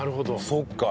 そうか。